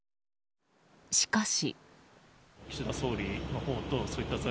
しかし。